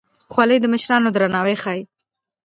خولۍ د مشرانو درناوی ښيي.